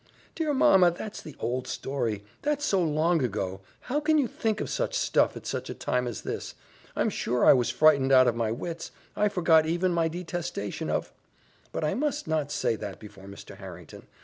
"Dear mamma, that's the old story! that's so long ago! How can you think of such old stuff at such a time as this? I'm sure I was frightened out of my wits I forgot even my detestation of But I must not say that before Mr. Harrington.